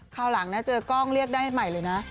คราวหลังนะเจอกล้องเรียกได้ใหม่เลยนะ